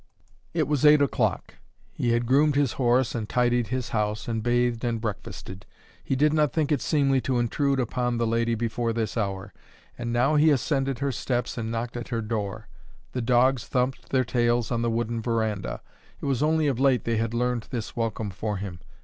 It was eight o'clock. He had groomed his horse, and tidied his house, and bathed, and breakfasted. He did not think it seemly to intrude upon the lady before this hour, and now he ascended her steps and knocked at her door. The dogs thumped their tails on the wooden veranda; it was only of late they had learned this welcome for him.